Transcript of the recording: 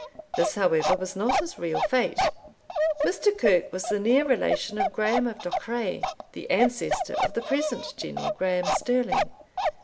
This, however, was not his real fate. "Mr. Kirke was the near relation of Graham of Duchray, the ancestor of the present General Graham Stirling.